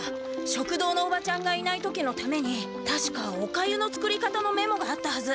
食堂のおばちゃんがいない時のためにたしかおかゆの作り方のメモがあったはず。